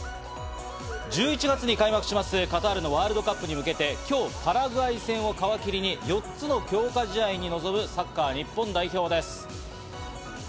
１１月に開幕します、カタールのワールドカップに向けて今日パラグアイ戦を皮切りに、４つの強化試合に臨むサッカー日本代表です。